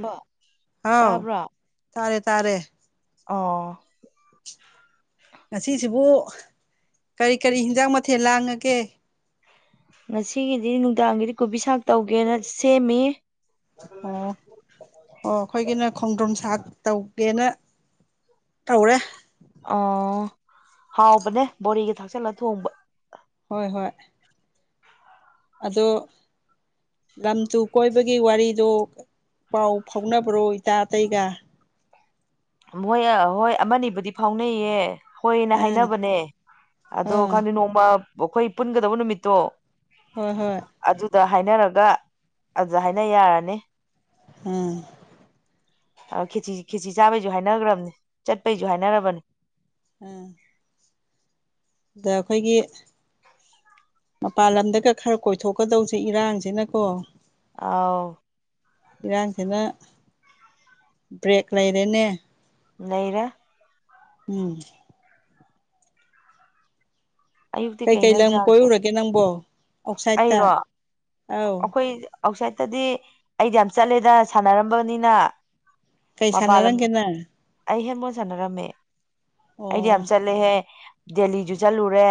hello ꯍꯥꯎ ꯇꯥꯔꯦ ꯇꯥꯔꯦ ꯑꯣ ꯉꯁꯤꯁꯤꯕꯨ ꯀꯔꯤ ꯀꯔꯤ ꯍꯤꯟꯖꯥꯡ ꯃꯊꯦꯜ ꯂꯥꯡꯉꯒꯦ ꯉꯁꯤꯒꯤꯗꯤ ꯅꯨꯡꯗꯥꯡꯒꯤꯗꯤ ꯀꯣꯕꯤ ꯁꯥꯛ ꯇꯧꯒꯦꯅ ꯁꯦꯝꯃꯤ ꯑꯣ ꯑꯣ ꯑꯩꯈꯣꯏꯒꯤꯅ ꯈꯣꯡꯗ꯭ꯔꯨꯝ ꯁꯥꯛ ꯇꯧꯒꯦꯅ ꯇꯧꯔꯦ ꯑꯣ ꯍꯥꯎꯕꯅꯦ ꯕꯣꯔꯤꯒꯤ ꯊꯥꯛꯆꯜꯂ ꯊꯣꯡꯕ ꯍꯣꯏ ꯍꯣꯏ ꯑꯗꯣ ꯂꯝ ꯇꯨ ꯀꯣꯏꯕꯒꯤ ꯋꯥꯔꯤꯗꯣ ꯄꯥꯎ ꯐꯥꯎꯅꯕ꯭ꯔꯣ ꯏꯇꯥ ꯑꯇꯩꯒ ꯃꯣꯏ ꯍꯣꯏ ꯑꯥꯃ ꯅꯤꯕꯨꯗꯤ ꯐꯥꯎꯅꯩꯌꯦ ꯍꯣꯏꯅ ꯑꯥ ꯍꯥꯏꯅꯕꯅꯦ ꯑꯗꯣ ꯑꯥ ꯈꯪꯗꯦ ꯅꯣꯡꯃ ꯑꯩꯈꯣꯏ ꯄꯨꯟꯒꯗꯕ ꯅꯨꯃꯤꯠꯇꯣ ꯍꯣꯏ ꯍꯣꯏ ꯑꯗꯨꯗ ꯍꯥꯏꯅꯔꯒ ꯑꯗꯨꯗ ꯍꯥꯏꯅ ꯌꯥꯔꯅꯤ ꯎꯝ ꯈꯦꯆꯤ ꯈꯦꯆꯤ ꯆꯥꯕꯩꯁꯨ ꯍꯥꯏꯅꯈ꯭ꯔꯕꯅꯤ ꯆꯠꯄꯩꯁꯨ ꯍꯥꯏꯅꯔꯕꯅꯤ ꯎꯝ ꯗꯥ ꯑꯩꯈꯣꯏꯒꯤ ꯃꯄꯥꯟ ꯂꯝꯗꯒ ꯈꯔ ꯀꯣꯏꯊꯣꯛꯀꯗꯧꯁꯦ ꯏꯔꯥꯡꯁꯤꯅꯀꯣ ꯑꯥꯎ ꯏꯔꯥꯡꯁꯤꯅ ꯕ꯭ꯔꯦꯛ ꯂꯩꯔꯦꯅꯦ ꯂꯩꯔꯦ ꯎꯝ ꯑꯌꯨꯛꯇꯤ ꯀꯩ ꯀꯩ ꯏꯟꯖꯥꯡ ꯂꯝ ꯆꯥꯒꯦ ꯀꯣꯏꯔꯨꯔꯒꯦ ꯅꯪꯕꯣ ꯑꯥꯎꯠꯁꯥꯏꯠꯇ ꯑꯩꯔꯣ ꯑꯧ ꯑꯈꯣꯏ ꯑꯥꯎꯠꯁꯥꯏꯗꯇꯗꯤ ꯑꯩꯗꯤ ꯌꯥꯝ ꯆꯠꯂꯦꯗ ꯁꯥꯟꯅꯔꯝꯕꯅꯤꯅ ꯀꯩ ꯃꯄꯥꯥꯟ ꯂꯝ ꯁꯥꯟꯅꯔꯝꯒꯦ ꯅꯪ ꯑꯩ ꯍꯦꯟꯕꯣꯟ ꯁꯥꯟꯅꯔꯝꯃꯦ ꯑꯩꯗꯤ ꯌꯥꯝ ꯑꯣ ꯆꯠꯂꯦꯍꯦ ꯗꯦꯜꯂꯤꯖꯨ ꯆꯠꯂꯨꯔꯦ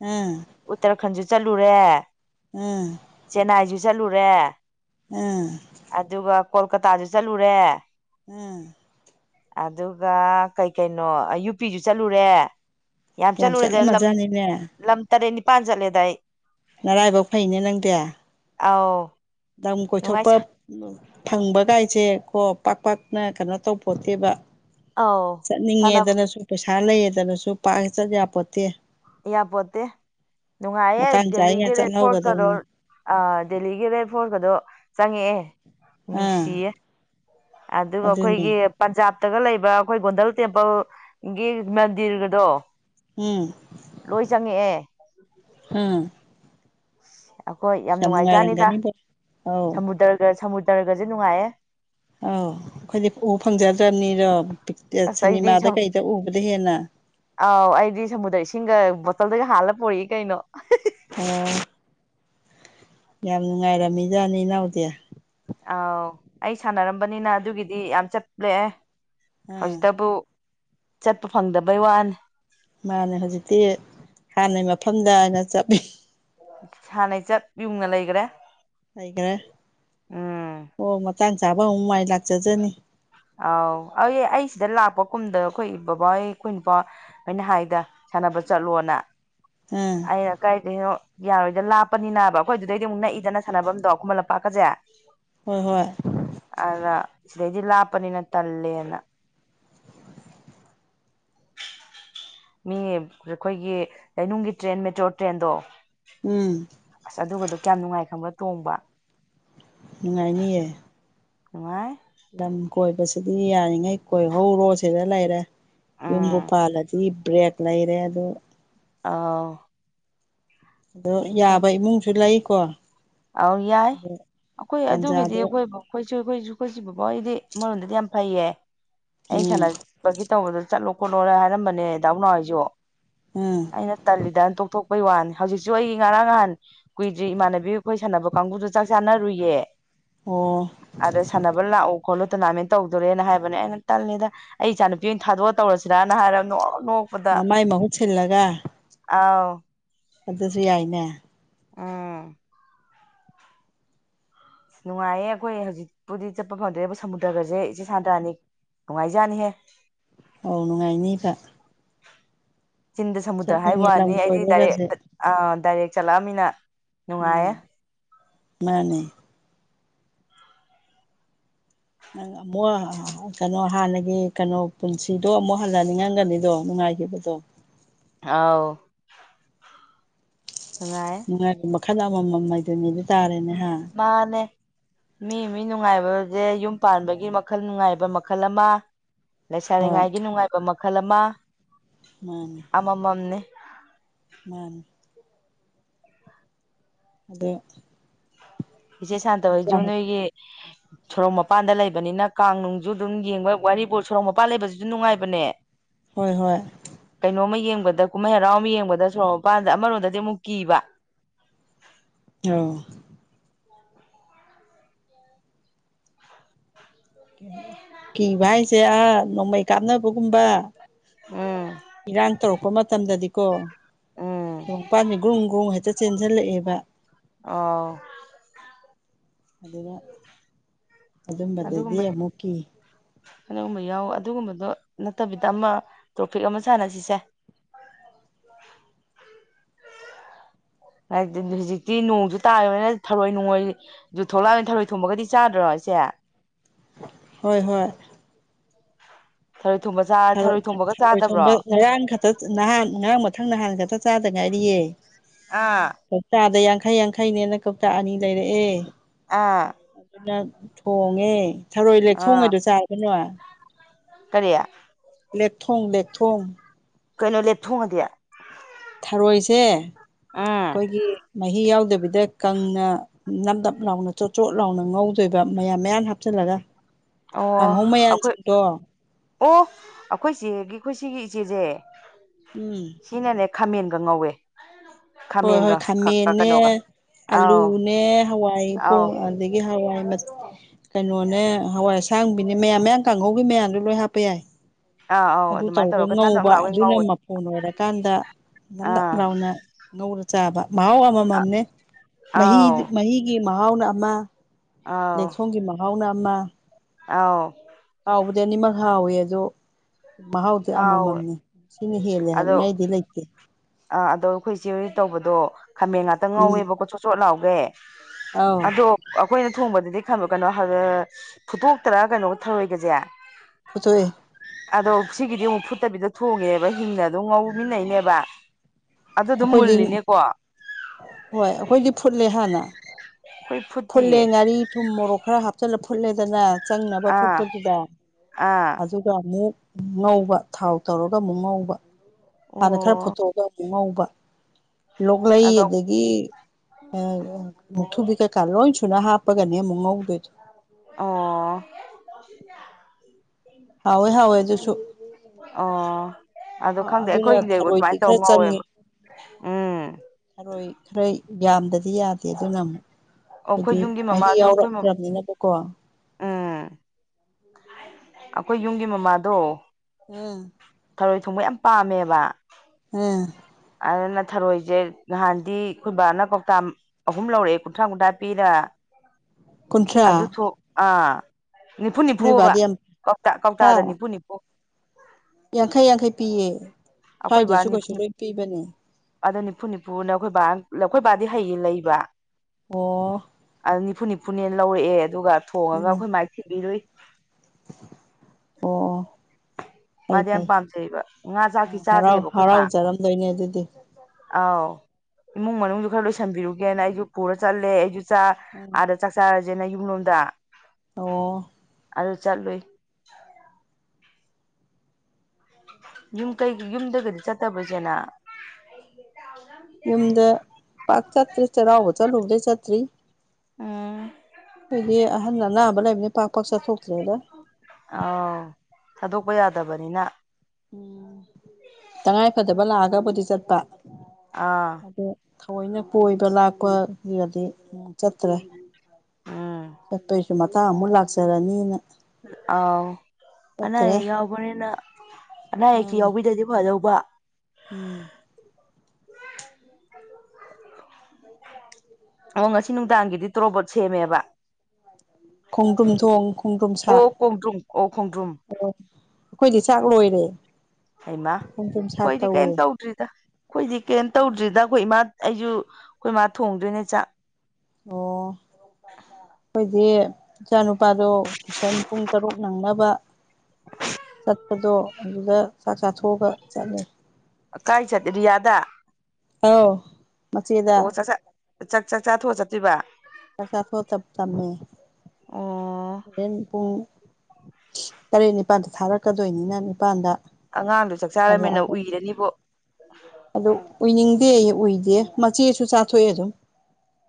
ꯑꯥ ꯎꯇꯔ ꯔꯥꯈꯟꯖꯨ ꯆꯠꯂꯨꯔꯦ ꯎꯝ ꯆꯦꯟꯅꯥꯏꯖꯨ ꯆꯠꯂꯨꯔꯦ ꯎꯝ ꯑꯗꯨꯒ ꯀꯣꯜꯀꯇꯥꯖꯨ ꯆꯠꯂꯨꯔꯦ ꯑꯥ ꯑꯗꯨꯒ ꯀꯩ ꯀꯩꯅꯣ ꯌꯨ ꯄꯤꯖꯨ ꯆꯠꯂꯨꯔꯦ ꯌꯥꯝ ꯆꯠꯂꯨꯔꯦꯗ ꯂꯝ ꯂꯝ ꯇꯔꯦꯠ ꯅꯤꯄꯥꯟ ꯆꯠꯂꯦꯗ ꯑꯩ ꯅꯔꯥꯏꯕꯛ ꯐꯩꯅꯦ ꯅꯪꯗꯦ ꯑꯥꯎ ꯂꯝ ꯀꯣꯏꯊꯣꯛꯄ ꯐꯪꯕ ꯀꯥꯏꯖꯦ ꯀꯣ ꯄꯥꯛ ꯄꯥꯛꯅ ꯀꯩꯅꯣ ꯇꯧꯄꯣꯠꯇꯦꯕ ꯑꯧ ꯁꯥꯟꯅꯕ ꯆꯠꯅꯤꯡꯉꯦꯗꯅꯖꯨ ꯄꯩꯁꯥ ꯂꯩꯌꯦꯗꯅꯖꯨ ꯄꯥꯛ ꯍꯦꯛ ꯆꯠ ꯌꯥꯄꯣꯠꯇꯦ ꯌꯥꯄꯣꯠꯇꯦ ꯅꯨꯡꯉꯥꯏꯌꯦ ꯃꯇꯥꯡ ꯆꯥꯔꯤꯉꯩ ꯗꯦꯜꯂꯤꯒꯤ ꯔꯦꯠ ꯐꯣꯔꯠ ꯀꯗꯣ ꯆꯠꯍꯧꯒꯗꯧꯅꯤ ꯑꯥ ꯗꯦꯜꯂꯤꯒꯤ ꯔꯦꯠ ꯐꯣꯔꯀꯗꯣ ꯆꯪꯉꯛꯑꯦ ꯑꯥ ꯅꯨꯡꯁꯤꯌꯦ ꯑꯗꯨꯒ ꯑꯗꯨꯅꯦ ꯈꯣꯏꯒꯤ ꯄꯟꯖꯥꯕꯇꯒ ꯂꯩꯕ ꯑꯈꯣꯏ ꯒꯣꯟꯗꯜ ꯇꯦꯝꯄꯜꯒꯤ ꯃꯟꯗꯤꯔꯒꯗꯣ ꯎꯝ ꯂꯣꯏ ꯆꯪꯉꯛꯑꯦ ꯍꯝ ꯑꯈꯣꯏ ꯌꯥꯝ ꯅꯨꯡꯉꯥꯏꯖꯥꯠꯅꯤꯗ ꯅꯨꯡꯉꯥꯏꯔꯝꯒꯅꯤꯕꯣ ꯑꯧ ꯁꯃꯨꯗ꯭ꯔꯒ ꯁꯃꯨꯗ꯭ꯔꯒꯖꯦ ꯅꯨꯡꯉꯥꯏꯌꯦ ꯑꯧ ꯈꯣꯏꯗꯤ ꯎ ꯐꯪꯖꯗ꯭ꯔꯕꯅꯤꯔꯣ ꯑꯁ ꯑꯩꯗꯤ ꯁꯤꯅꯤꯃꯥꯗ ꯀꯩꯗ ꯎꯕꯗꯩ ꯍꯦꯟꯅ ꯑꯥꯎ ꯑꯩꯗꯤ ꯁꯃꯨꯗ꯭ꯔ ꯏꯁꯤꯡꯒ ꯕꯣꯇꯜꯗꯒ ꯍꯥꯥꯜꯂ ꯄꯨꯔꯛꯏ ꯀꯩꯅꯣ ꯑꯣ ꯌꯥꯝ ꯅꯨꯡꯉꯥꯏꯔꯝꯃꯤ ꯖꯥꯠꯅꯤ ꯏꯅꯥꯎꯗꯤ ꯑꯥꯎ ꯑꯩ ꯁꯥꯟꯅꯔꯝꯕꯅꯤꯅ ꯑꯗꯨꯒꯤꯗꯤ ꯌꯥꯝ ꯆꯠꯂꯑꯦ ꯑꯥ ꯍꯧꯖꯤꯛꯇꯕꯨ ꯆꯠꯄ ꯐꯪꯗꯕꯩ ꯋꯥꯅꯤ ꯃꯥꯅꯦ ꯍꯧꯖꯤꯛꯇꯤ ꯍꯥꯟꯅꯩ ꯃꯐꯝꯗꯅ ꯆꯞꯄꯦ ꯍꯥꯟꯅꯩꯆꯞ ꯌꯨꯡꯅ ꯂꯩꯒ꯭ꯔꯦ ꯂꯩꯒ꯭ꯔꯦ ꯑꯣ ꯃꯇꯥꯡ ꯆꯥꯕ ꯑꯃꯨꯛ ꯃꯥꯏ ꯂꯥꯛꯆꯖꯅꯤ ꯑꯥꯎ ꯑꯩ ꯑꯩ ꯁꯤꯗ ꯂꯥꯛꯄ ꯀꯨꯝꯗ ꯈꯣꯏ ꯕꯕꯥꯍꯣꯏ ꯑꯈꯣꯏ ꯅꯨꯄꯥ ꯍꯣ ꯍꯣꯏꯅ ꯍꯥꯏꯗ ꯁꯥꯟꯅꯕ ꯆꯠꯂꯣꯅ ꯎꯝ ꯑꯩꯅ ꯀꯥꯏꯗꯩꯅꯣ ꯌꯥꯔꯣꯏꯗ ꯂꯥꯞꯄꯅꯤꯅꯕ ꯑꯈꯣꯏ ꯑꯗꯨꯗꯩꯗꯤ ꯑꯃꯨꯛ ꯅꯛꯏꯗꯅ ꯁꯥꯟꯅꯕꯝꯗꯣ ꯈꯨꯃꯟ ꯂꯝꯄꯥꯛꯀꯖꯦ ꯍꯣꯏ ꯍꯣꯏ ꯑꯗ ꯁꯤꯗꯩꯗꯤ ꯂꯥꯞꯄꯅꯤꯅ ꯇꯜꯂꯦꯅ ꯃꯤ ꯑꯈꯣꯏꯒꯤ ꯂꯩꯅꯨꯡꯒꯤ ꯇ꯭ꯔꯦꯟ ꯃꯦꯇ꯭ꯔꯣ ꯇ꯭ꯔꯦꯟꯗꯣ ꯎꯝ ꯑꯁ ꯑꯗꯨꯒꯗꯣ ꯀꯌꯥꯝ ꯅꯨꯡꯉꯥꯏ ꯈꯪꯕ꯭ꯔꯥ ꯇꯣꯡꯕ ꯅꯨꯡꯉꯥꯏꯅꯤꯌꯦ ꯅꯨꯡꯉꯥꯏ ꯂꯝ ꯀꯣꯏꯕꯁꯤꯗꯤ ꯌꯥꯔꯤꯉꯩ ꯀꯣꯏꯍꯧꯔꯣ ꯁꯤꯗ ꯂꯩꯔꯦ ꯌꯨꯝꯕꯨ ꯎꯝ ꯄꯥꯜꯂꯗꯤ ꯕ꯭ꯔꯦꯛ ꯂꯩꯔꯦ ꯑꯗꯨ ꯑꯥꯎ ꯑꯗꯣ ꯌꯥꯕ ꯏꯃꯨꯡꯁꯨ ꯂꯩꯀꯣ ꯑꯧ ꯌꯥꯏ ꯑꯗꯣ ꯑꯩꯈꯣꯏ ꯑꯗꯨꯒꯤꯗꯤ ꯇꯟꯖꯥꯗꯣ ꯑꯩꯈꯣꯏꯕꯨ ꯑꯩꯈꯣꯏꯁꯨ ꯑꯩꯈꯣꯏꯁꯨ ꯑꯩꯈꯣꯏꯁꯤ ꯕꯥꯕꯥ ꯍꯣꯏꯗꯤ ꯑꯃꯔꯣꯝꯗꯗꯤ ꯌꯥꯝ ꯐꯩꯌꯦ ꯑꯩ ꯎꯝ ꯁꯥꯟꯅ ꯕꯒꯤ ꯇꯧꯕꯗ ꯆꯠꯂꯣ ꯈꯣꯠꯂꯣꯅ ꯍꯥꯏꯔꯝꯕꯅꯦ ꯗꯥ ꯕꯨꯅꯥꯎ ꯍꯣꯏꯁꯨ ꯎꯝ ꯑꯩꯅ ꯇꯜꯂꯤꯗ ꯇꯣꯛꯊꯣꯛꯄꯩ ꯋꯥꯅꯤ ꯍꯧꯖꯤꯛꯁꯨ ꯑꯩ ꯉꯔꯥꯡ ꯅꯍꯥꯟ ꯀꯨꯏꯗ꯭ꯔꯤ ꯏꯃꯥꯟꯅꯕꯤ ꯑꯩꯈꯣꯏ ꯁꯥꯟꯅꯕ ꯀꯥꯡꯕꯨꯗꯨ ꯆꯥꯛ ꯆꯥꯅꯔꯨꯏꯌꯦ ꯑꯣ ꯑꯗ ꯁꯥꯟꯅꯕ ꯂꯥꯛꯎ ꯈꯣꯠꯂꯨ ꯇꯣꯔꯅꯥꯃꯦꯟ ꯇꯧꯗꯣꯔꯦꯅ ꯍꯥꯏꯕꯅꯦ ꯑꯩꯅ ꯇꯜꯂꯤꯗ ꯑꯩ ꯏꯆꯥ ꯅꯨꯄꯤ ꯑꯣꯏꯅ ꯊꯥꯗꯣꯛꯑ ꯇꯧꯔꯁꯤꯔꯥꯅ ꯍꯥꯏꯔ ꯅꯣꯛꯑ ꯃꯃꯥꯏ ꯃꯍꯨꯠ ꯁꯤꯜꯂꯒ ꯑꯥꯎ ꯑꯗꯨꯁꯨ ꯌꯥꯏꯅꯦ ꯑꯥ ꯅꯨꯡꯉꯥꯏꯌꯦ ꯑꯩꯈꯣꯏ ꯍꯧꯖꯤꯛꯄꯨꯗꯤ ꯆꯠꯄ ꯐꯪꯗ꯭ꯔꯦ ꯁꯃꯨꯗ꯭ꯔꯒꯁꯦ ꯏꯆꯦ ꯁꯟꯇꯅꯤ ꯅꯨꯡꯉꯥꯏꯖꯅꯤꯍꯦ ꯑꯧ ꯅꯨꯡꯉꯥꯏꯅꯤꯕ ꯆꯤꯟꯗ ꯁꯃꯨꯗ꯭ꯔ ꯍꯥꯏꯕ ꯆꯠꯅꯤꯡꯉꯦ ꯂꯝ ꯋꯥꯅꯤ ꯑꯩꯗꯤ ꯗꯥꯏꯔꯦꯛ ꯀꯣꯏꯕꯒꯁꯦ ꯑ ꯗꯥꯏꯔꯦꯛ ꯆꯠꯂꯛꯑꯃꯤꯅ ꯅꯨꯡꯉꯥꯏꯌꯦ ꯎꯝ ꯃꯥꯅꯦ ꯅꯪ ꯑꯃꯨꯛ ꯀꯩꯅꯣ ꯍꯥꯟꯅꯒꯤ ꯀꯩꯅꯣ ꯄꯨꯟꯁꯤꯗꯣ ꯑꯃꯨꯛ ꯍꯜꯂꯛꯍꯜꯂꯝꯒꯅꯤꯗꯣ ꯅꯨꯡꯉꯥꯏꯒꯤꯕꯗꯣ ꯑꯥꯎ ꯅꯨꯉꯥꯏ ꯅꯨꯡꯉꯥꯏꯔꯤꯕ ꯃꯈꯜ ꯑꯃꯃꯝ ꯍꯥꯏꯗꯣꯏꯅꯤ ꯑꯗꯨ ꯇꯥꯔꯦꯅꯦ ꯍꯥ ꯃꯥꯅꯦ ꯃꯤ ꯃꯤ ꯅꯨꯡꯉꯥꯏꯕꯁꯦ ꯌꯨꯝ ꯄꯥꯟꯕꯒꯤ ꯃꯈꯜ ꯅꯨꯡꯉꯥꯏꯕ ꯃꯈꯜ ꯑꯃ ꯍꯣꯏ ꯂꯩꯁꯥꯔꯤꯉꯩꯒꯤ ꯅꯨꯡꯉꯥꯏꯕ ꯃꯈꯜ ꯑꯃ ꯃꯥꯅꯦ ꯑꯃꯃꯝꯅꯤ ꯃꯥꯅꯦ [unintelligible] ꯏꯆꯦ ꯁꯥꯟꯇ ꯍꯣꯏꯖꯨ ꯅꯣꯏꯒꯤ ꯁꯣꯔꯣꯛ ꯃꯄꯥꯟꯗ ꯂꯩꯕꯅꯤꯅ ꯀꯥꯡꯅꯨꯡꯁꯨ ꯑꯗꯨꯝ ꯌꯦꯡꯕ ꯋꯥꯔꯤꯕꯣ ꯁꯣꯔꯣꯛ ꯃꯄꯥꯟ ꯂꯩꯕꯁꯤꯁꯨ ꯅꯨꯡꯉꯥꯏꯕꯅꯦ ꯍꯣꯏ ꯍꯣꯏ ꯀꯩꯅꯣꯝ ꯌꯦꯡꯕꯗ ꯀꯨꯝꯍꯩ ꯍꯔꯥꯎ ꯑꯃ ꯌꯦꯡꯕꯗ ꯁꯣꯔꯛꯃꯄꯥꯟꯗ ꯑꯃꯔꯣꯝꯗꯗꯤ ꯑꯃꯨꯛ ꯀꯤꯕ [unintelligible] ꯀꯤꯕ ꯍꯥꯏꯁꯦ ꯑꯥ ꯅꯣꯡꯃꯩ ꯀꯥꯞꯅꯕꯒꯨꯝꯕ ꯎꯝ ꯏꯔꯥꯡ ꯇꯧꯔ ꯄ ꯃꯇꯝꯗꯗꯤꯀꯣ ꯎꯝ ꯁꯣꯔꯣꯛꯄꯥꯟꯁꯦ ꯒ꯭ꯔꯨꯝ ꯒ꯭ꯔꯨꯝ ꯍꯦꯛꯇ ꯆꯦꯟꯁꯤꯜꯂꯛꯑꯦꯕ ꯑꯣ ꯑꯗꯨꯅ ꯑꯗꯨꯝꯕꯗꯗꯤ ꯑꯃꯨꯛ ꯀꯤ ꯀꯩꯅꯒꯨꯝꯕ ꯌꯥꯎꯋꯤ ꯑꯗꯨꯒꯨꯝꯕꯗꯣ ꯅꯠꯇꯕꯤꯗ ꯑꯃ ꯇ꯭ꯔꯣꯄꯤꯛ ꯑꯃ ꯁꯥꯟꯅꯁꯤꯁꯦ ꯍꯥꯏꯗꯤ ꯍꯧꯖꯤꯛꯇꯤ ꯅꯣꯡꯁꯨ ꯇꯥꯗꯝꯅꯤꯅ ꯊꯕꯜ ꯅꯨꯡꯉꯣꯏ ꯑꯗꯨ ꯨ ꯊꯣꯛꯂꯛꯑ ꯊꯔꯣꯏ ꯊꯣꯡꯕꯒꯗꯤ ꯆꯥꯗ꯭ꯔꯣ ꯏꯆꯦ ꯍꯣꯏ ꯍꯣꯏ ꯊꯔꯣꯏ ꯊꯣꯡꯕ ꯆꯥ ꯊꯔꯣꯏ ꯊꯣꯡꯕꯒ ꯊꯔꯣꯏ ꯆꯥꯗꯕ꯭ꯔꯣ ꯊꯣꯕ ꯉꯔꯥꯡ ꯈꯛꯇ ꯅꯍꯥꯟ ꯉꯔꯥꯡ ꯃꯊꯪ ꯅꯍꯥꯟ ꯈꯛꯇ ꯆꯥꯗ ꯉꯥꯏꯔꯤꯌꯦ ꯑꯥ ꯀꯧꯇꯥꯗ ꯌꯥꯡꯈꯩ ꯌꯥꯡꯈꯩꯅꯦꯅ ꯀꯧꯇꯥ ꯑꯅꯤ ꯂꯩꯔꯛꯑꯦ ꯑꯥ ꯑꯗꯨꯅ ꯊꯣꯡꯉꯦ ꯊꯔꯣꯏ ꯂꯦꯛꯊꯣꯡ ꯑꯥ ꯍꯥꯏꯗꯣ ꯆꯥꯔꯕ ꯅꯣꯏ ꯀꯔꯤ ꯂꯦꯞꯊꯣꯡ ꯂꯦꯛꯊꯣꯡ ꯀꯩꯅꯣ ꯂꯦꯞꯊꯣꯡ ꯍꯥꯏꯗꯤ ꯊꯔꯣꯏꯁꯦ ꯎꯝ ꯑꯩꯈꯣꯏꯒꯤ ꯃꯍꯤ ꯌꯥꯎꯗꯕꯤꯗ ꯀꯪꯅ ꯅꯞ ꯅꯞ ꯂꯥꯎꯅ ꯆꯣꯠ ꯆꯣꯠ ꯂꯥꯎꯅ ꯉꯧꯗꯣꯏꯕ ꯃꯌꯥꯟ ꯃꯌꯥꯟ ꯍꯥꯞꯆꯤꯜꯂꯒ ꯑꯣ ꯀꯪꯍꯧ ꯑꯩꯈꯣꯏ ꯃꯥꯌꯥꯟꯁꯤꯡꯗꯣ ꯑꯣ ꯑꯩꯈꯣꯏ ꯏꯆꯦꯒꯤ ꯑꯩꯈꯣꯏ ꯁꯤꯒꯤ ꯏꯆꯦꯁꯦ ꯎꯝ ꯁꯤꯅꯅꯦ ꯈꯥꯃꯦꯟꯒ ꯉꯧꯋꯦ ꯍꯣꯏ ꯈꯥꯃꯦꯟꯒ ꯍꯣꯏ ꯈꯥꯃꯦꯟꯅꯦ ꯀꯩꯅꯣꯒ ꯑꯥꯎ ꯑꯂꯨꯅꯦ ꯍꯋꯥꯏ ꯑꯥꯎ ꯄꯣꯡ ꯑꯅꯥ ꯑꯗꯒꯤ ꯍꯋꯥꯏ ꯀꯩꯅꯣꯅꯦ ꯍꯋꯥꯏ ꯑꯁꯥꯡꯕꯤꯅꯦ ꯃꯌꯥꯟ ꯃꯌꯥꯟ ꯀꯥꯡꯍꯧꯒꯤ ꯃꯌꯥꯟꯗꯣ ꯂꯣꯏꯅꯥ ꯍꯥꯞꯄ ꯌꯥꯏ ꯑꯥ ꯑꯥꯎ ꯑꯗꯨ ꯑꯗꯨꯃꯥꯏꯅ ꯇꯧꯔꯒ ꯅꯞ ꯅꯞ ꯉꯧꯕ ꯂꯥꯎꯒꯩ ꯑꯗꯨꯅ ꯉꯧꯋꯦ ꯃꯐꯣꯟ ꯑꯣꯏꯔꯀꯥꯟꯗ ꯅꯞ ꯅꯞ ꯑꯥ ꯂꯥꯎꯅ ꯉꯧꯔ ꯆꯥꯕ ꯃꯍꯥꯎ ꯑꯃ ꯃꯝꯅꯦ ꯑꯥꯎ ꯃꯍꯤꯗꯨ ꯃꯍꯤ ꯃꯍꯤꯒꯤ ꯃꯍꯥꯎꯅ ꯑꯃ ꯑꯥꯎ ꯂ‌ꯦꯛꯊ‌ꯣꯡꯒꯤ ꯃꯍꯥꯎꯅ ꯑꯃ ꯑꯥꯎ ꯍꯥꯎꯕꯗꯤ ꯑꯅꯤꯃꯛ ꯍꯥꯎꯋꯦ ꯑꯗꯣ ꯃꯍꯥꯎꯗꯤ ꯑꯃ ꯍꯥꯎ ꯃꯝꯅꯤ ꯁꯤꯅ ꯍꯦꯜꯂꯦ ꯑꯗꯣ ꯍꯥꯏꯅꯤꯉꯥꯏꯗꯤ ꯂꯩꯇꯦ ꯑꯥ ꯑꯗꯣ ꯑꯩꯈꯣꯏ ꯆ‌ꯦ ꯍ‌ꯣꯏ ꯇꯧꯕꯗꯣ ꯈꯥꯃꯦꯟ ꯉꯥꯛꯇ ꯎꯝ ꯉꯧꯋꯦꯕꯀꯣ ꯆꯣꯠ ꯆꯣꯠ ꯂꯥꯎꯒꯩ ꯑꯥꯎ ꯑꯗꯣ ꯑꯩꯈꯣꯏꯅ ꯊꯣꯡꯕꯗꯗꯤ ꯀꯩꯅꯣ ꯐꯨꯠꯇꯣꯛꯇ꯭ꯔ ꯀꯩꯅꯣꯒ ꯊꯔꯣꯏꯒꯁꯦ ꯐꯨꯠꯇ‌ꯣꯛ ꯑꯦ ꯑꯗꯣ ꯁꯤꯒꯤꯗꯤ ꯑꯃꯨꯛ ꯐꯨꯠꯇꯕꯤꯗ ꯊꯣꯡꯉꯦꯕ ꯍꯤꯡꯅ ꯑꯗꯨꯝ ꯉꯧꯃꯤꯟꯅꯩꯅꯦꯕ ꯑꯗꯨ ꯑꯗꯨꯝ ꯑꯈꯣꯏꯗꯤ ꯃꯨꯜꯂꯤꯅꯦꯀꯣ ꯍꯣꯏ ꯑꯈꯣꯏꯗꯤ ꯐꯨꯠꯂꯦ ꯍꯥꯟꯅ ꯑꯩꯈꯣꯏ ꯐꯨꯠꯂꯦ ꯐꯨꯠꯇꯤꯌꯦ ꯉꯥꯔꯤ ꯊꯨꯝ ꯃꯣꯔꯣꯛ ꯈꯔ ꯍꯥꯞꯆꯤꯜꯂ ꯐꯨꯠꯂꯦꯗꯅ ꯆꯪꯅꯕ ꯑꯥ ꯐꯨꯠꯄꯗꯨꯗ ꯑꯥ ꯑꯗꯨ ꯒ ꯑꯃꯨꯛ ꯉꯧꯕ ꯊꯥꯎ ꯇꯧꯔꯒ ꯑꯃꯨꯛ ꯉꯧꯕ ꯍꯥꯟꯅ ꯈꯔ ꯑꯣ ꯐꯨꯠꯇꯣꯛꯑꯒ ꯑꯃꯨꯛ ꯉꯧꯕ ꯂꯣꯛꯂꯩ ꯑꯗꯣ ꯑꯗꯒꯤ ꯃꯨꯛꯊ꯭‌ꯨꯔꯕꯤ ꯀꯩꯀꯥ ꯂꯣꯏ ꯁꯨꯅ ꯍꯥꯞꯄꯒꯅꯦ ꯑꯃꯨꯛ ꯉꯧꯗꯣꯏꯗꯨ ꯑꯣ ꯍꯥꯎꯋꯦ ꯍꯥꯎꯋꯦ ꯑꯗꯨꯁꯨ ꯑꯣ ꯑꯗꯣ ꯃꯍꯥꯎ ꯈꯪꯗꯦ ꯑꯗꯨꯅ ꯑꯩꯈꯣꯏꯒꯤꯗꯤ ꯊꯥꯔꯣꯏꯗꯤ ꯑꯗꯨꯃꯥꯏꯅ ꯇꯧ ꯈꯔ ꯆꯪꯉꯤ ꯉꯧꯋꯦꯕ ꯎꯝ ꯊꯥꯔꯣꯏ ꯈꯔ ꯌꯥꯝꯗꯗꯤ ꯌꯥꯗꯦ ꯑꯗꯨꯅ ꯑꯃꯨꯛ ꯑꯣ ꯍꯥꯏꯗꯤ ꯑꯩꯈꯣꯏ ꯌꯨꯝꯒꯤ ꯃꯍꯤ ꯃꯃꯥꯗꯣ ꯑꯩꯈꯣꯏ ꯌꯥꯎꯔꯛꯇ꯭ꯔꯥꯕꯅꯤꯅꯥꯕꯀꯣ ꯎꯝ ꯑꯩꯈꯣꯏ ꯌꯨꯝꯒꯤ ꯃꯃꯥꯗꯣ ꯎꯝ ꯊꯔꯣꯏ ꯊꯣꯡꯕ ꯌꯥꯝ ꯄꯥꯝꯃꯦꯕ ꯑ ꯑꯗꯨꯅ ꯊꯔꯣꯏꯖꯦ ꯅꯍꯥꯟꯗꯤ ꯈꯣꯏꯕꯥꯅ ꯀꯧꯇꯥꯝ ꯑꯍꯨꯝ ꯂꯧꯔꯑꯦ ꯀꯨꯟꯊ꯭ꯔꯥ ꯀꯨꯟꯊ꯭ꯔꯥ ꯄꯤꯔ ꯀꯨꯟꯊ꯭ꯔꯥ ꯑꯗꯨ ꯊꯣꯛ ꯑꯥ ꯅꯤꯐꯨ ꯅꯣꯏ ꯅꯤꯐꯨꯑꯕ ꯕꯥꯗꯤ ꯌꯥꯝ ꯀꯧꯇꯥ ꯍꯥ ꯀꯧꯇꯥꯗ ꯅꯤꯐꯨ ꯅꯤꯐꯨ ꯌꯥꯡꯈꯩ ꯌꯥꯡꯈꯩ ꯄꯤꯌꯦ ꯑꯈꯣꯏꯕ ꯁ꯭ꯋꯥꯏꯗꯁꯨ ꯀꯩꯁꯨ ꯅꯤꯐꯨꯅꯤꯞ ꯂꯣꯏ ꯄꯤꯕꯅꯦ ꯑꯗꯨ ꯅꯤꯐꯨ ꯅꯤꯐꯨꯅ ꯑꯩꯈꯣꯏ ꯕꯥ ꯑꯩꯈꯣꯏ ꯕꯥꯗꯤ ꯍꯩꯌꯦ ꯂꯩꯕ ꯑꯣ ꯑꯗꯨ ꯅꯤꯐꯨ ꯅꯤꯐꯨꯅꯦꯅ ꯂꯧꯔꯛꯑꯦ ꯑꯗꯨꯒ ꯊꯣꯡꯉꯒ ꯎꯝ ꯑꯩꯈꯣꯏ ꯃꯥꯏ ꯊꯤꯕꯤꯔꯨꯏ ꯑꯣ ꯐꯩ ꯃꯥꯗꯤ ꯌꯥꯝ ꯐꯩ ꯄꯥꯝꯖꯩꯕ ꯉꯥ ꯆꯥꯛꯇꯤ ꯍꯔꯥꯎ ꯆꯥꯗꯦꯕ ꯑꯩꯈꯣꯏ ꯃꯥ ꯍꯔꯥꯎꯖꯔꯝꯗꯣꯏꯅꯦ ꯑꯗꯨꯗꯤ ꯑꯥꯎ ꯏꯃꯨꯡ ꯃꯅꯨꯡꯁꯨ ꯈꯔ ꯂꯣꯏꯁꯟꯕꯤꯔꯨꯒꯦꯅ ꯑꯩꯁꯨ ꯄꯨꯔ ꯆꯠꯂꯦ ꯑꯩꯁꯨ ꯆꯥꯛ ꯎꯝ ꯑꯥꯗ ꯆꯥꯛ ꯆꯔꯁꯦꯅ ꯌꯨꯝꯂꯣꯝꯗ ꯑꯣ ꯑꯗꯨ ꯆꯠꯂꯨꯏ ꯌꯨꯝꯀꯩꯒꯤ ꯌꯨꯝꯗꯒꯗꯤ ꯆꯠꯇꯕ ꯆꯦꯅꯪ ꯌꯨꯝꯗ ꯄꯥꯛ ꯆꯠꯇ꯭ꯔꯤ ꯆꯩꯔꯥꯎꯕ ꯆꯠꯂꯨꯕꯗꯩ ꯆꯠꯇ꯭ꯔꯤ ꯑ ꯑꯈꯣꯏꯗꯤ ꯑꯍꯟ ꯑꯅꯥꯕ ꯂꯩꯕꯅꯤꯅ ꯄꯥꯛ ꯄꯥꯛ ꯆꯠꯊꯣꯛꯇ꯭ꯔꯦꯗ ꯑꯥꯎ ꯊꯥꯗꯣꯛꯄ ꯌꯥꯗꯕꯅꯤꯅ ꯎꯝ ꯇꯉꯥꯏ ꯐꯗꯕ ꯂꯥꯛꯑꯒꯕꯨꯗꯤ ꯆꯠꯄ ꯑꯥ ꯑꯗꯨ ꯊꯑꯣꯏꯅ ꯀꯣꯏꯕ ꯂꯥꯛꯄꯒꯤꯗꯗꯤ ꯆꯠꯇ꯭ꯔꯦ ꯎꯝ ꯆꯠꯄꯩꯁꯨ ꯃꯇꯥꯡ ꯑꯃꯨꯛ ꯂꯥꯛꯆꯔꯅꯤꯅ ꯑꯥꯎ ꯑꯅꯥ ꯆꯠꯇ꯭ꯔꯦ ꯑꯌꯦꯛ ꯌꯥꯎꯕꯅꯤꯅ ꯑꯅꯥ ꯑꯌꯦꯛꯇ ꯃꯥꯅꯦ ꯌꯥꯎꯕꯤꯗꯗꯤ ꯐꯗꯧꯕ ꯎꯝ ꯑꯗꯨ [unintelligible] ꯑꯣ ꯉꯁꯤ ꯅꯨꯡꯗꯥꯡꯒꯤꯗꯤ ꯇꯣꯔꯣꯕꯣꯠ ꯁꯦꯝꯃꯦꯕ ꯈꯣꯡꯗ꯭ꯔꯨꯝ ꯊꯣꯡ ꯈꯣꯡꯗ꯭ꯔꯨꯝ ꯁꯥꯛ ꯑꯣ ꯈꯣꯡꯗ꯭ꯔꯨꯝ ꯑꯣ ꯈꯣꯡꯗ꯭ꯔꯨꯝ ꯑꯣ ꯑꯩꯈꯣꯏꯗꯤ ꯆꯥꯛ ꯂꯣꯏꯔꯦ ꯍꯩꯃ ꯈꯣꯡꯗ꯭ꯔꯨꯝ ꯁꯥꯛ ꯀꯣꯏꯗꯤ ꯀꯩꯝ ꯇꯧꯋꯦ ꯇꯧ ꯇꯔꯤꯗ ꯑꯩꯈꯣꯏꯗꯤ ꯀꯩꯝ ꯇꯧꯗ꯭ꯔꯤꯗ ꯑꯩꯈꯣꯏ ꯏꯃꯥ ꯑꯩꯁꯨ ꯑꯩꯈꯣꯏ ꯏꯃ ꯊꯣꯡꯗꯣꯏꯅꯦ ꯆꯥꯛ ꯑꯣ ꯑꯩꯈꯣꯏꯗꯤ ꯏꯆꯥ ꯅꯨꯨꯄꯥꯗꯣ ꯇꯨꯏꯁꯟ ꯄꯨꯡ ꯇꯔꯨꯛ ꯅꯪꯅꯕ ꯆꯠꯄꯗꯣ ꯑꯗꯨꯗ ꯆꯥꯛ ꯆꯥꯊꯣꯛꯑꯒ ꯆꯠꯂꯦ ꯑꯀꯥꯏ ꯆꯠꯄꯥꯗꯨꯌꯥꯗ ꯍꯂꯥꯎ ꯃꯆꯦꯗ ꯅꯨꯗꯥꯛ ꯆꯥꯛ ꯆꯥꯛ ꯆꯥꯊꯣꯛꯑ ꯆꯠꯇꯣꯏꯕ ꯆꯛꯆꯥꯊꯣꯛ ꯇꯞ ꯇꯃꯦ ꯑꯣ ꯍꯣꯔꯦꯟ ꯄꯨꯡ ꯇꯔꯦꯠ ꯅꯤꯄꯥꯜꯗ ꯊꯥꯔꯛꯀꯗꯣꯏꯅꯤꯅ ꯅꯤꯄꯥꯜꯗ ꯑꯉꯥꯡꯗꯨ ꯆꯥꯛ ꯆꯔꯝꯃꯤꯅ ꯍꯜꯂꯛꯑꯒ ꯎꯏꯔꯅꯤꯕꯣ ꯑꯗꯨ ꯎꯏꯅꯤꯡꯗꯦ ꯑꯩ ꯎꯏꯗꯦ ꯃꯆꯦꯁꯨ ꯆꯥꯊꯣꯛꯑꯦ ꯑꯗꯨꯝ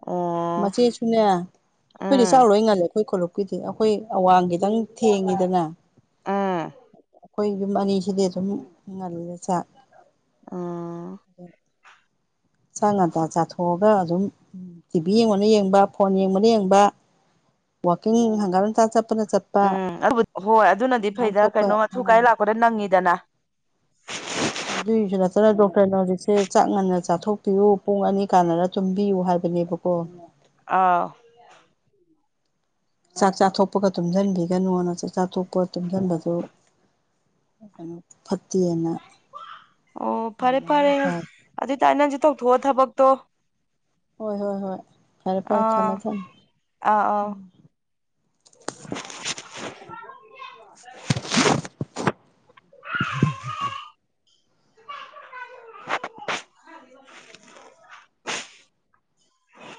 ꯑꯣ ꯃꯆꯦꯁꯨꯅꯦ ꯑꯩꯈꯣꯏꯗꯤ ꯎꯝ ꯆꯥꯎꯔꯣꯏ ꯉꯜꯂꯦ ꯑꯩꯈꯣꯏ ꯈꯣꯂꯨꯞ ꯑꯩꯈꯣꯏꯗꯤ ꯑꯩꯈꯣꯏ ꯑꯋꯥꯡ ꯈꯤꯗꯪ ꯊꯦꯡꯉꯤꯗꯅ ꯑꯥ ꯑꯩꯈꯣꯏ ꯌꯨꯝ ꯑꯅꯤꯁꯤꯗꯤ ꯑꯗꯨꯝ ꯉꯜꯂꯦ ꯆꯥꯛ ꯑꯥ ꯑꯗꯨ ꯆꯥꯛ ꯉꯟꯇꯥ ꯆꯥꯊꯣꯛꯑꯒ ꯑꯗꯨꯝ ꯇꯤꯚꯤ ꯌꯦꯡꯕꯅ ꯌꯦꯡꯕ ꯐꯣꯟ ꯌꯦꯡꯕꯅ ꯌꯦꯡꯕ ꯋꯥꯀꯤꯡ ꯍꯪꯒꯠ ꯍꯟꯗꯥ ꯆꯠꯄꯅ ꯆꯠ ꯎꯝ ꯑꯗꯨ ꯍꯣꯏ ꯑꯗꯨꯅꯗꯤ ꯐꯩꯗ ꯊꯣꯛꯄ ꯀꯩꯅꯣ ꯑꯊꯨ ꯀꯥꯏ ꯑꯥ ꯂꯥꯛꯄꯗ ꯅꯪꯉꯤꯗꯅ ꯑꯗꯨꯒꯤꯁꯨ ꯅꯠꯇꯅ ꯗꯣꯛꯇꯔꯅ ꯍꯧꯖꯤꯛꯁꯦ ꯆꯥꯛ ꯉꯟꯅ ꯆꯥꯊꯣꯛꯄꯤꯌꯨ ꯄꯨꯡ ꯑꯅꯤ ꯀꯥꯟꯅꯔ ꯇꯨꯝꯕꯤꯌꯨ ꯍꯥꯏꯕ ꯗꯨꯅꯤꯕꯀꯣ ꯑꯥꯎ ꯆꯥꯛ ꯆꯥꯊꯣꯛꯄꯒ ꯇꯨꯝꯁꯤꯟꯕꯤꯒꯅꯨꯅ ꯆꯥꯛ ꯆꯥꯊꯣꯛꯄ ꯇꯨꯝꯁꯤꯟꯕꯗꯨ ꯀꯩꯅꯣ ꯐꯠꯇꯦꯅ ꯑꯣ ꯐꯔꯦ ꯑꯗꯨꯃꯥꯏꯅ ꯐꯔꯦ ꯍꯥꯏ ꯑꯗꯨꯏꯇꯥꯔꯗꯤ ꯅꯪꯁꯨ ꯇꯧꯊꯣꯛꯑꯣ ꯊꯕꯛꯇꯣ ꯍꯣꯏ ꯍꯣꯏ ꯍꯣꯏ ꯐꯔꯦ ꯐꯔꯦ ꯑꯥ ꯊꯝꯃꯦ ꯊꯝꯃꯦ ꯑꯥ ꯑꯧ [inaudible] [inaudible]